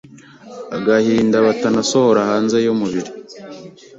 agahinda batanasohora hanze y’umubiri.